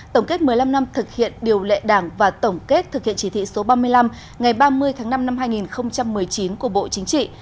tổng kết một mươi năm năm thực hiện điều lệ đảng và tổng kết thực hiện chỉ thị số ba mươi năm ngày ba mươi tháng năm năm hai nghìn một mươi chín của bộ chính trị